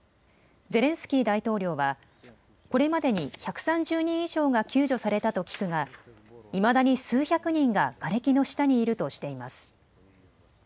ゼレンスキー大統領はこれまでに１３０人以上が救助されたと聞くがいまだに数百人ががれきの下にいるとしています。